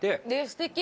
すてき。